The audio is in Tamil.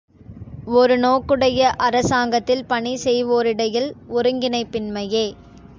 ஒரு நோக்குடைய அரசாங்கத்தில் பணி செய்வோரிடையில் ஒருங்கிணைப்பின்மையே.